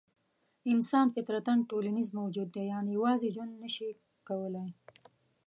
انسان فطرتاً ټولنیز موجود دی؛ یعنې یوازې ژوند نه شي کولای.